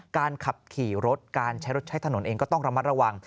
การขับขี่รถการใช้รถใช้ถนนเองก็ต้องระมัดระวัง